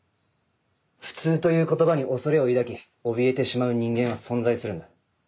「普通」という言葉に恐れを抱き怯えてしまう人間は存在するんだ。